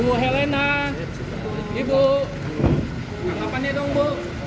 sudah buka puasa belum bu